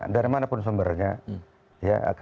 dari mana pun sumbernya